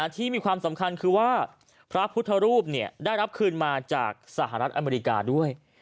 ที่มีความสำคัญคือว่าพระพุทธรูปได้รับคืนมาจากสหรัฐอเมริกาด้วย